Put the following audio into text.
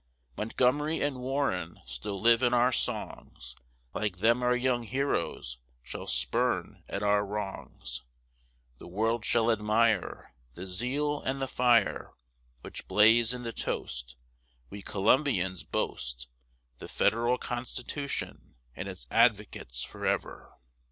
Montgomery and Warren still live in our songs; Like them our young heroes shall spurn at our wrongs: The world shall admire The zeal and the fire, Which blaze in the toast We Columbians boast The Federal Constitution and its advocates forever.